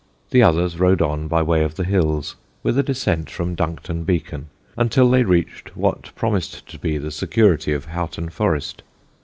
The others rode on by way of the hills, with a descent from Duncton Beacon, until they reached what promised to be the security of Houghton Forest.